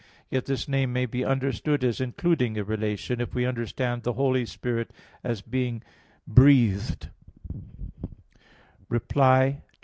Yet this name may be understood as including a relation, if we understand the Holy Spirit as being breathed [spiratus].